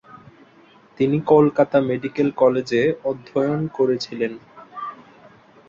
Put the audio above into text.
তিনি কলকাতা মেডিক্যাল কলেজে অধ্যয়ন করেছিলেন।